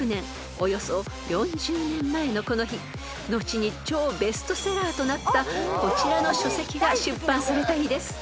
［およそ４０年前のこの日後に超ベストセラーとなったこちらの書籍が出版された日です］